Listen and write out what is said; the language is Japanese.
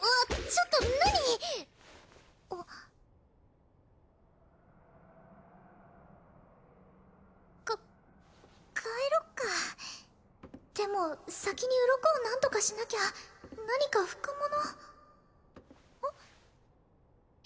ちょっと何かっ帰ろっかでも先に鱗を何とかしなきゃ何か拭くものあっ